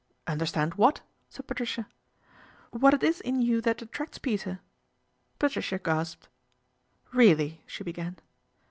" Understand what ?" said Patricia. " What it is in you that attracts Peter." Patricia gasped. " Really," she began.